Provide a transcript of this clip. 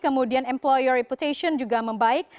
kemudian employer reputation juga membaik